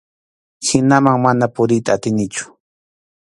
Hinaman mana puriyta atinchu.